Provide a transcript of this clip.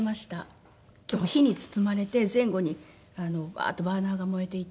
火に包まれて前後にワーッとバーナーが燃えていて。